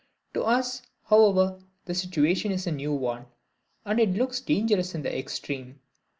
To us, however, the situation is a new one; and it looks dangerous in the extreme.